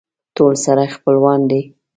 ټول سره خپلوان دي.